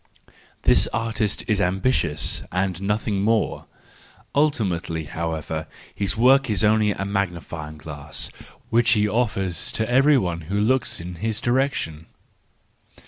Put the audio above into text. —This artist is ambitious and nothing more; ultimately, however, his work is only a magnifying glass, which he offers to every one who looks in his direction.